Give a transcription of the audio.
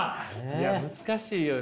いや難しいよ。